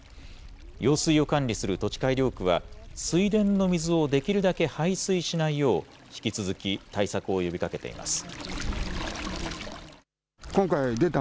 用水を管理する土地改良区は水田の水をできるだけ排水しないよう、引き続き対策を呼びかけています。